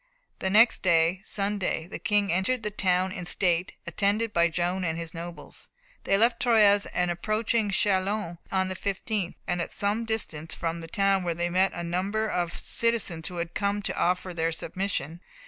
The next day, Sunday, the King entered the town in state, attended by Joan and his nobles. They left Troyes, and approached Châlons on the 15th, and at some distance from the town were met by a number of citizens who had come to offer their submission.